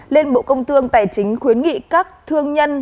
liên bộ công thương tài chính khuyến nghị các thương nhân